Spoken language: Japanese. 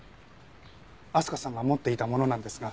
明日香さんが持っていたものなんですが。